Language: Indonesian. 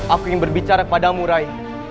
aku ingin berbicara padamu rai